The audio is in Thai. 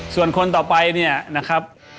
ส่วนคนต่อไปนะครับ